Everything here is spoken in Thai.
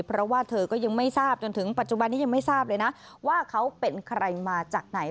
เพราะว่าเธอก็ยังไม่ทราบจนถึงปัจจุบันนี้ยังไม่ทราบเลยนะว่าเขาเป็นใครมาจากไหน